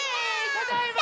ただいま！